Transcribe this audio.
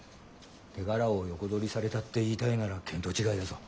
手柄を横取りされたって言いたいなら見当違いだぞ。